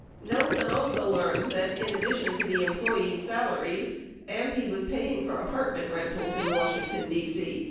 Nelson also learned that, in addition to the employees' salaries, AMPI was paying for apartment rentals in Washington, D.C.